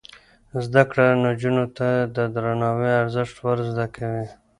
زده کړه نجونو ته د درناوي ارزښت ور زده کوي.